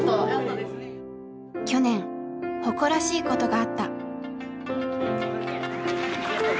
去年誇らしいことがあった。